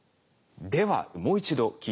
ではもう一度聴いてみましょう。